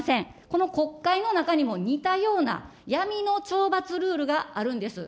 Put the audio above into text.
この国会の中にも似たような闇の懲罰ルールがあるんです。